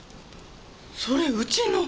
それうちの。